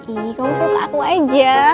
ih kamu fokus ke aku aja